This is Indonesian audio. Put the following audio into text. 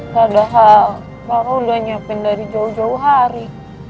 padahal baru udah nyiapin dari jauh jauh hari